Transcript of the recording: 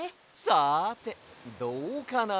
さてどうかな。